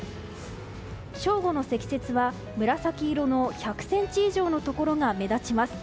正午の積雪は紫色の１００ｃｍ以上のところが目立ちます。